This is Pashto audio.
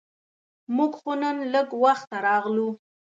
مونږ خو نن لږ وخته راغلو.